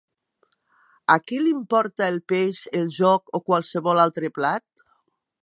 A qui li importa el peix, el joc o qualsevol altre plat?